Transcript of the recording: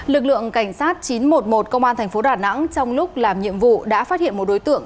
lực lượng cảnh sát chín trăm một mươi một công an thành phố đà nẵng trong lúc làm nhiệm vụ đã phát hiện một đối tượng